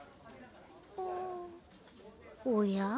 おや？